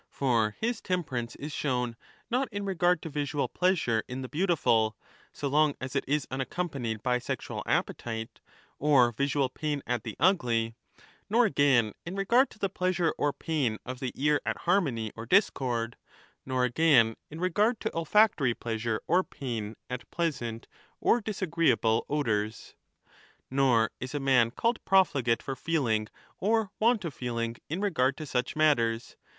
For his temperance is shown not in regard to visual pleasure in the beautiful (so long as it is unaccompanied by sexual appetite) or visual pain at the ugly ; nor, again, in regard to the pleasure or pain of the ear at harmony or discord ; nor, again, in regard to olfactory pleasure or pain at pleasant or 30 disagreeable odours. Nor is a man called profligate for feeling or want of feeling in regard to such matters.